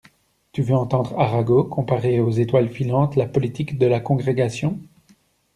Tu veux entendre Arago comparer aux étoiles filantes la politique de la Congrégation?